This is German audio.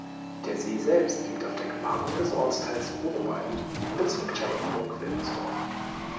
Der See selbst liegt auf der Gemarkung des Ortsteils Grunewald im Bezirk Charlottenburg-Wilmersdorf.